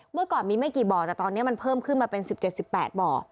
เมื่อก่อนมีไม่กี่บ่อแต่ตอนนี้มันเพิ่มขึ้นมาเป็น๑๗๑๘บ่อ